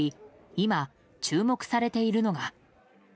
今、注目されているのが。